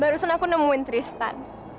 barusan aku nemuin tristan